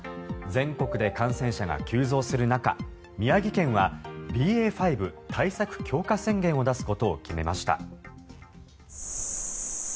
全国で感染者が急増する中宮城県はＢＡ．５対策強化宣言を出すことを決めました。